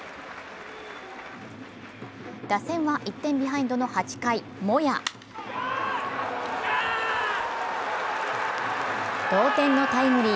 打線は１点ビハインドの８回・モヤ同点のタイムリー。